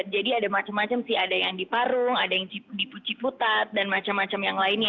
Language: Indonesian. jadi ada macem macem sih ada yang di parung ada yang di putjeputat dan macem macem yang lainnya